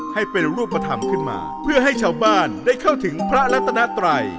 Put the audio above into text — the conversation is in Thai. ให้เป็นรูปธรรมขึ้นมาเพื่อให้ชาวบ้านได้เข้าถึงพระรัตนาไตร